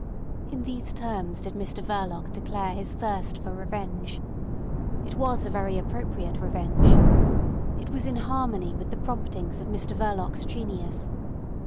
In these terms did Mr Verloc declare his thirst for revenge. It was a very appropriate revenge. It was in harmony with the promptings of Mr Verloc's genius.